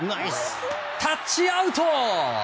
タッチアウト！